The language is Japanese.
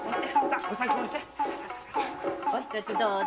お一つどうぞ。